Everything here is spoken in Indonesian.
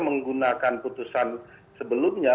menggunakan putusan sebelumnya